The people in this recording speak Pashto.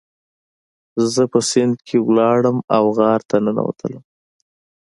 زه په سیند کې لاړم او غار ته ننوتلم.